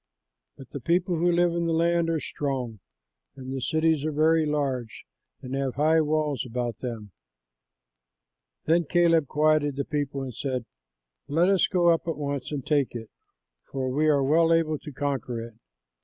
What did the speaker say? But the people who live in the land are strong, and the cities are very large and have high walls about them." Then Caleb quieted the people and said, "Let us go up at once and take it, for we are well able to conquer it."